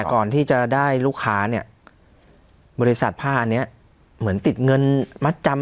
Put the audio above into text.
ก่อนที่จะได้ลูกค้าเนี่ยบริษัทผ้าอันนี้เหมือนติดเงินมัดจำ